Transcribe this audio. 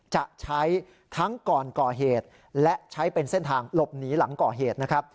จะใช้ทั้งก่อนก่อเหตุและใช้เป็นเส้นทางหลบหนีหลังก่อเหตุนะครับ